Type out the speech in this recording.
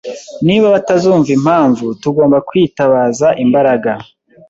Niba batazumva impamvu, tugomba kwitabaza imbaraga.